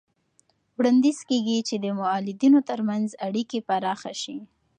وړاندیز کېږي چې د مؤلدینو ترمنځ اړیکې پراخه شي.